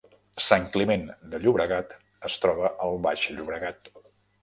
Sant Climent de Llobregat es troba al Baix Llobregat